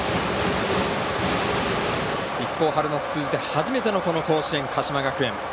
一方、春夏通じて初めてのこの甲子園、鹿島学園。